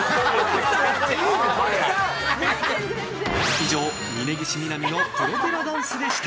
以上、峯岸みなみのプロペラダンスでした。